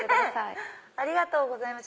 ありがとうございます！